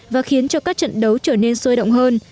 và khiến cho các trận đấu trở nên sôi động hơn